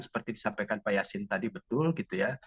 seperti disampaikan pak yasin tadi betul gitu ya